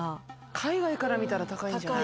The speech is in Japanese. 海外から見たら高いんじゃない？